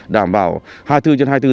đảm bảo hai mươi bốn h trên hai mươi bốn h